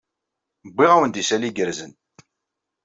Wwiɣ-awen-d isali igerrzen.